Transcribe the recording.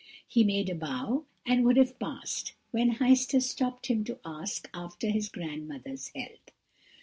He made a bow, and would have passed, when Heister stopped him to ask after his grandmother's health.